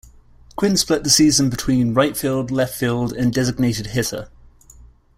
Quinn split the season between right field, left field, and designated hitter.